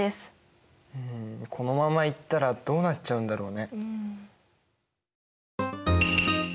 このままいったらどうなっちゃうんだろうね。